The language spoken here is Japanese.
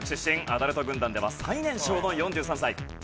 アダルト軍団では最年少の４３歳。